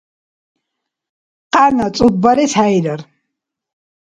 Къяна цӀуббарес хӀейрар.